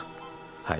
はい？